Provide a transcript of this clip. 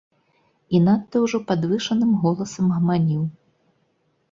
І надта ўжо падвышаным голасам гаманіў.